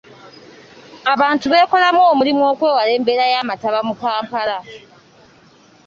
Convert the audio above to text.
Abantu beekolemu omulimu okwewala embeera y’amataba mu Kampala.